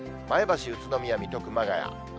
前橋、宇都宮、水戸、熊谷。